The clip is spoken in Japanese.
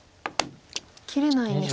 切れないんですか。